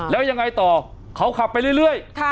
แล้วยังไงต่อเขาขับไปเรื่อย